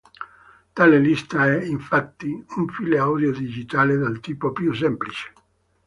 Tale lista è, infatti, un file audio digitale del tipo più semplice.